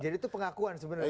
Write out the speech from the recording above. jadi itu pengakuan sebenarnya ya